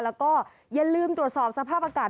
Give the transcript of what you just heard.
แล้วก็อย่าลืมตรวจสอบสภาพอากาศ